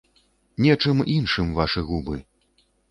Нечым іншым вашы губы!